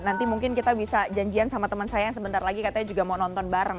nanti mungkin kita bisa janjian sama teman saya yang sebentar lagi katanya juga mau nonton bareng